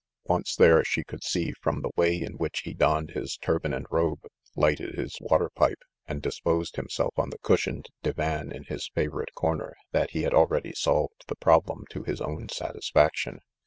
Once there, she could see from the way in which he donned his turban and robe, lighted his water pipe, and disposed himself on the cushioned divan in his fa vorite corner, that he had already solved the problem to his own satisfaction.